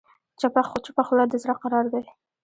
چپه خوله، د زړه قرار دی.